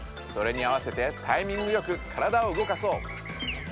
それにあわせてタイミングよくからだを動かそう。